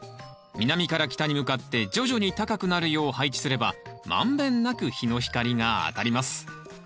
南から北に向かって徐々に高くなるよう配置すれば満遍なく日の光が当たります